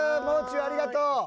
もう中ありがとう！